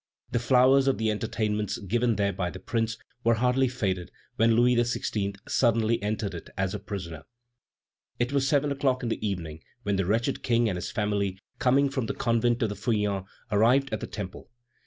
The flowers of the entertainments given there by the Prince were hardly faded when Louis XVI. suddenly entered it as a prisoner. It was seven o'clock in the evening when the wretched King and his family, coming from the convent of the Feuillants, arrived at the Temple.